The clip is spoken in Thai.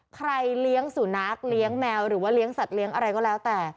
เลี้ยงสุนัขเลี้ยงแมวหรือว่าเลี้ยงสัตว์เลี้ยงอะไรก็แล้วแต่